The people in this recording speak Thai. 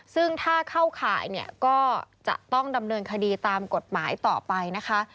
ซึ่งถ้าเข้าข่ายเนี่ยก็จะต้องดำเนินคดีตามกฎหมายต่อไปนะคะ